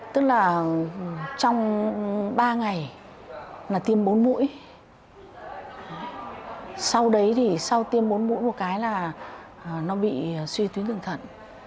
tức là trong ba ngày mà tiêm bốn mũi sau đấy thì sau tiêm bốn mũi một cái là nó bị suy tuyến đường thận